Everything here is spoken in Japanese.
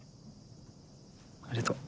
ありがとう。